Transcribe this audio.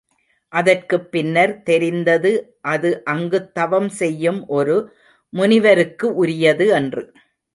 அதற்குப் பின்னர் தெரிந்தது அது அங்குத் தவம் செய்யும் ஒரு முனிவருக்கு உரியது என்று.